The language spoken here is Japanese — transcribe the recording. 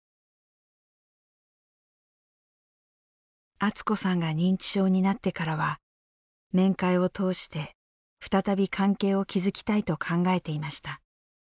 アツ子さんが認知症になってからは面会を通して、再び関係を築きたいと考えていました。